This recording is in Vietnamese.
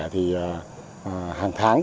thì hàng tháng